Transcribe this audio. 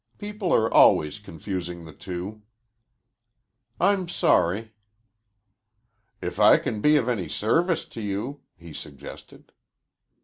People are always confusing the two." "I'm sorry." "If I can be of any service to you," he suggested.